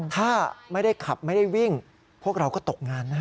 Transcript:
ถ้าไม่ได้ขับไม่ได้วิ่งพวกเราก็ตกงานนะฮะ